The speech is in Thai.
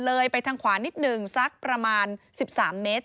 เลยไปทางขวานิดหนึ่งสักประมาณ๑๓เมตร